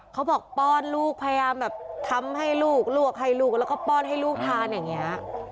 เขาบอกป้อนลูกพยายามแบบทำให้ลูกลวกให้ลูกแล้วก็ป้อนให้ลูกทานอย่างนี้